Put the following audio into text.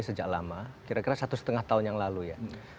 sejak lama kira kira satu setengah tahun yang lalu ya